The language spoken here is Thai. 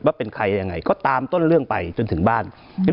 ว่าเป็นใครยังไงก็ตามต้นเรื่องไปจนถึงบ้าน